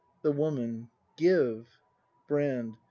The Woman. Give! Brand.